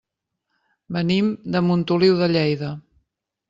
Venim de Montoliu de Lleida.